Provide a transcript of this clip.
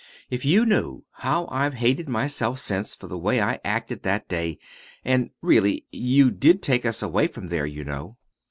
"If you knew how I've hated myself since for the way I acted that day and, really, you did take us away from there, you know."